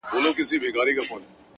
لکه د واړه گناهونو چي لامل زه یم!